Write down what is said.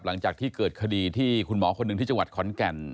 หลังจากที่เกิดคดีที่คุณหมอคนหนึ่งที่จังหวัดขอนแก่น